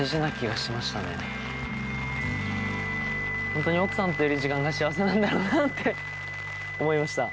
本当に奥さんといる時間が幸せなんだろうなって思いました。